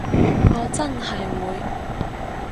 我真係會